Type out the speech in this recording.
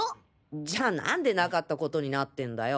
じゃあなんでなかった事になってんだよ。